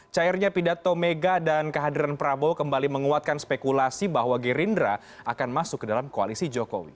cairnya pidato mega dan kehadiran prabowo kembali menguatkan spekulasi bahwa gerindra akan masuk ke dalam koalisi jokowi